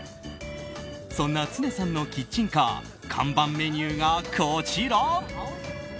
そんなツネさんのキッチンカー看板メニューがこちら。